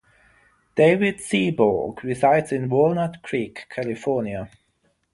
David Seaborg resides in Walnut Creek, California.